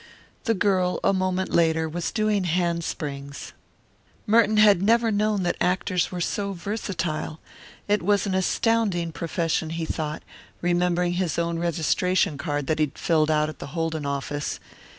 The girl, a moment later, was turning hand springs. Merton had never known that actors were so versatile. It was an astounding profession, he thought, remembering his own registration card that he had filled out at the Holden office.